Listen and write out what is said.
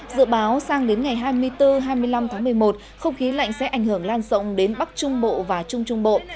dự báo sang đến ngày hai mươi bốn hai mươi năm tháng một mươi một không khí lạnh sẽ ảnh hưởng lan rộng đến bắc trung bộ và trung trung bộ